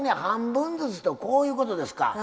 半分ずつとこういうことですか。